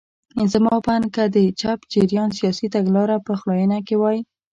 زما په اند که د چپ جریان سیاسي تګلاره پخلاینه کې وای.